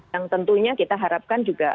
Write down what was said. yang tentunya kita harapkan juga